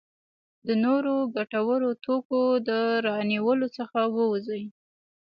د نورو ګټورو توکو د رانیولو څخه ووځي.